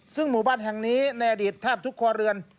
ซึ่งหมู่บ้านแห่งนี้ในอดีตแทบทุกครัวเรือน